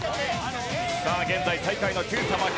さあ現在最下位のＱさま！！か？